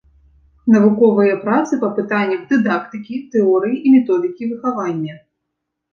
Навуковыя працы па пытаннях дыдактыкі, тэорыі і методыкі выхавання.